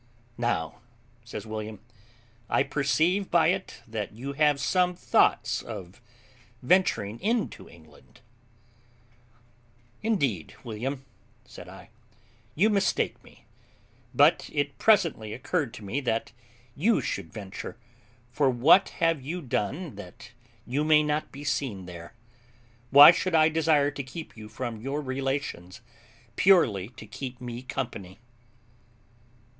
"Now," says William, "I perceive by it that you have some thoughts of venturing into England." "Indeed, William," said I, "you mistake me; but it presently occurred to me that you should venture, for what have you done that you may not be seen there? Why should I desire to keep you from your relations, purely to keep me company?"